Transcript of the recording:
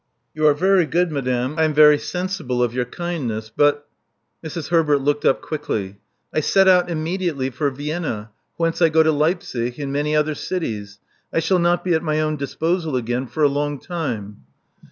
You are very good, madame: I am very sensible of your kindness. But —" Mrs. Herbert looked up quickly — *'I set out immediately for Vienna, whence I go to Leipzig and many other cities. I shall not be at my own disposal again for a long time.